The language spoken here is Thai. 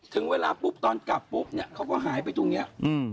ถึงเวลาปุ๊บตอนกลับปุ๊บเนี่ยเขาก็หายไปตรงเนี้ยอืม